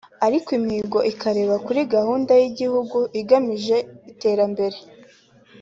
Ariko imihigo ikanareba kuri gahunda y’igihugu igamije iterambere